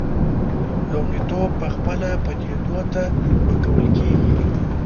لومړیتوب پخپله پدیدو ته ورکول کېږي.